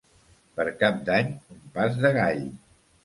Per Cap d'Any, un pas de gall.